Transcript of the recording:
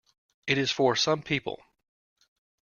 It is for some people.